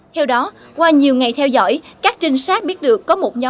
theo đó qua nhiều ngày theo dõi các trinh sát biết được có một nhân vật